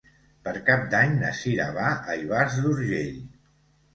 Per Cap d'Any na Cira va a Ivars d'Urgell.